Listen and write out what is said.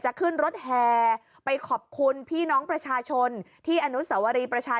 ขึ้นรถแห่ไปขอบคุณพี่น้องประชาชนที่อนุสวรีประชา